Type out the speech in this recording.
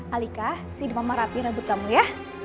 alika si dima merapiin rambut kamu ya